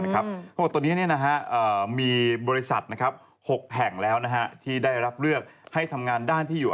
คำว่าอย่างนั้น